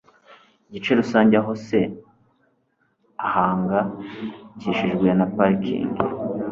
igice rusange aho se ahangayikishijwe na parikingi